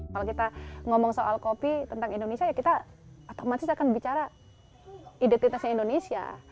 kalau kita ngomong soal kopi tentang indonesia ya kita otomatis akan bicara identitasnya indonesia